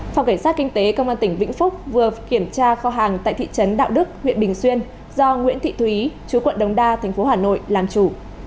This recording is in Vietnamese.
phòng cảnh sát kinh tế công an tỉnh vĩnh phúc vừa kiểm tra kho hàng tại thị trấn đạo đức huyện bình xuyên do nguyễn thị thúy chú quận đồng đa tp hà nội làm chủ